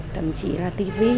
thậm chí là tivi